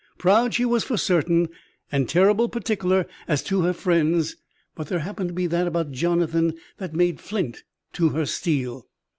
Proud she was for certain, and terrible partickler as to her friends; but there happened to be that about Jonathan that made flint to her steel.